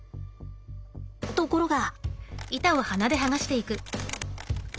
ところが。